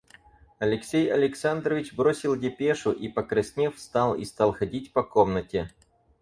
Алексей Александрович бросил депешу и, покраснев, встал и стал ходить по комнате.